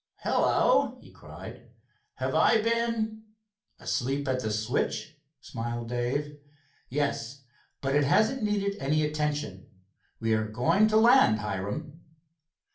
"Hello!" he cried, "have I been " "Asleep at the switch?" smiled Dave. "Yes, but it hasn't needed any attention. We are going to land, Hiram."